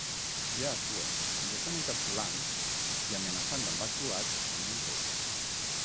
Ja actuen, ens estan encapsulant i amenaçant amb actuar i multes.